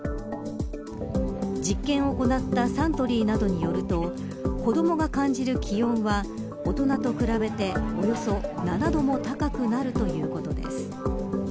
実験を行ったサントリーなどによると子どもが感じる気温は大人と比べて、およそ７度も高くなるということです。